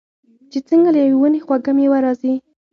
چې څنګه له یوې ونې خوږه میوه راځي.